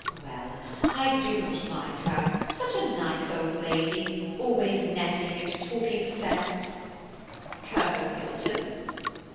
"Well, I do not mind her–such a nice old lady–always netting and talking sense." "Colonel Hilton."